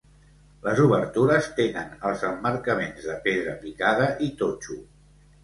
Les obertures tenen els emmarcaments de pedra picada i totxo.